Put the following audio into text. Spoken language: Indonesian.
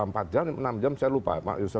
empat jam enam jam saya lupa